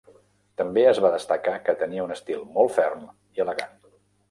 També es va destacar que tenia un estil molt ferm i elegant.